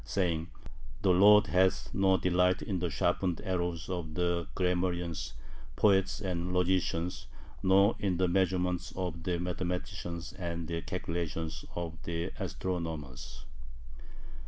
saying, The Lord hath no delight in the sharpened arrows of the grammarians, poets, and logicians, nor in the measurements of the mathematicians and the calculations of the astronomers.